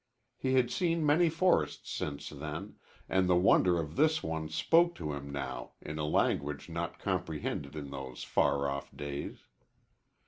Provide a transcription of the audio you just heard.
He had seen many forests since then, and the wonder of this one spoke to him now in a language not comprehended in those far off days.